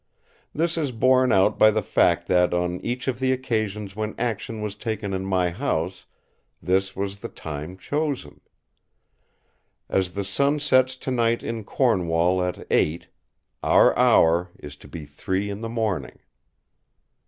This is borne out by the fact that on each of the occasions when action was taken in my house, this was the time chosen. As the sun sets tonight in Cornwall at eight, our hour is to be three in the morning!"